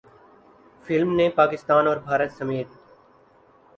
film نے پاکستان اور بھارت سمیت